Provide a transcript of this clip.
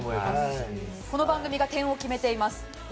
この番組が点を決めています。